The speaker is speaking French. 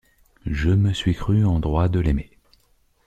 Je me suis crue en droit de l’aimer.